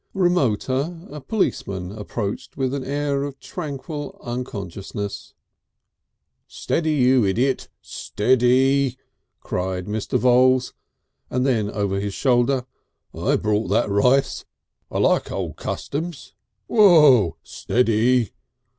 Remoter, a policeman approached with an air of tranquil unconsciousness. "Steady, you idiot. Stead y!" cried Mr. Voules, and then over his shoulder: "I brought that rice! I like old customs! Whoa! Stead y."